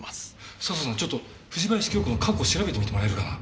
佐相さんちょっと藤林経子の過去を調べてみてもらえるかな？